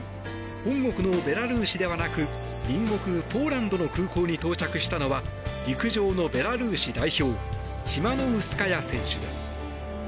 本国のベラルーシではなく隣国ポーランドの空港に到着したのは陸上のベラルーシ代表チマノウスカヤ選手です。